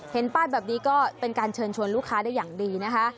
เห็นป้ายแบบนี้ก็เป็นการเชิญชวนลูกค้าได้อย่างดีนะคะ